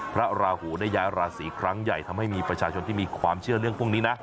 ราหูได้ย้ายราศีครั้งใหญ่ทำให้มีประชาชนที่มีความเชื่อเรื่องพวกนี้นะ